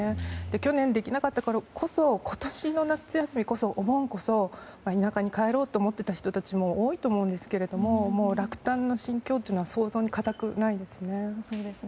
去年できなかったからこそ今年の夏休みこそ、お盆こそ田舎に帰ろうと思っていた人たちも多いと思いますが落胆の心境というのは想像に難くないですね。